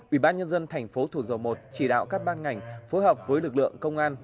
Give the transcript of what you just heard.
ủy ban nhân dân thành phố thủ dầu một chỉ đạo các ban ngành phối hợp với lực lượng công an